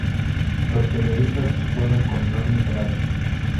Los periodistas vuelven con enormes salarios.